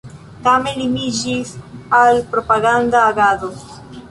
Tamen limiĝis al propaganda agado.